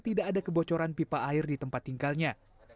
tidak ada kebocoran pipa air di tempat tinggalnya